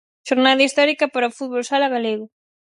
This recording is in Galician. Xornada histórica para o fútbol sala galego.